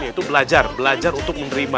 yaitu belajar belajar untuk menerima